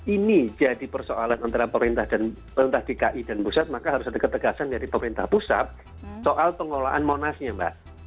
ini jadi persoalan antara pemerintah dki dan pusat maka harus ada ketegasan dari pemerintah pusat soal pengelolaan monasnya mbak